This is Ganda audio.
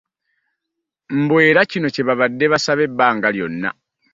Mbu era kino kye babadde basaba ebbanga lyonna